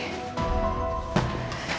aku kesana dulu